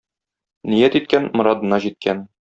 Ният иткән - морадына җиткән.